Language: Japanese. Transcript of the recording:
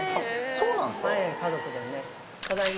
そうなんですか？